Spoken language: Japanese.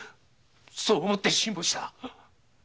そう思って辛抱した。